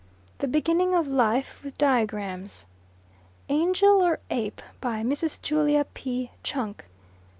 "The Beginning of Life," with diagrams. "Angel or Ape?" by Mrs. Julia P. Chunk.